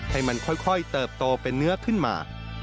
ให้มันค่อยเติบโตเป็นเนื้อขึ้นมา